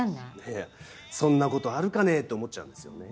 いやそんなことあるかね？って思っちゃうんですよね。